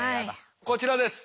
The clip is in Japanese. こちらです。